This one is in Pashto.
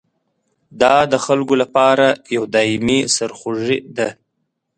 دا د خلکو لپاره یوه دایمي سرخوږي ده.